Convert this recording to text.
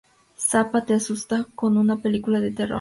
Zappa: Te asusta con una película de terror.